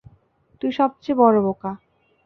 তুই সবচেয়ে বড়ো বোকা।